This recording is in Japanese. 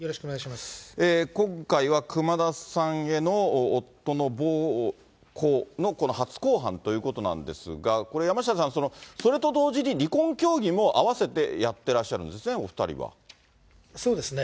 今回は熊田さんへの夫の暴行のこの初公判ということなんですが、これ、山下さん、それと同時に、離婚協議も併せてやってらっしゃるんですね、そうですね。